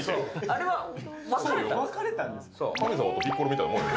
あれは別れたんですか？